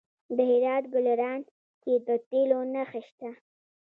د هرات په ګلران کې د تیلو نښې شته.